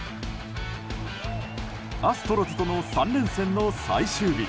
アストロズとの３連戦の最終日。